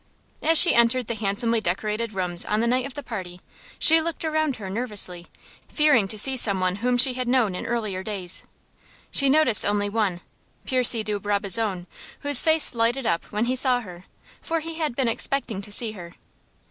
As she entered the handsomely decorated rooms on the night of the party, she looked around her nervously, fearing to see some one whom she had known in earlier days. She noticed one only Percy de Brabazon, whose face lighted up when he saw her, for he had been expecting to see her.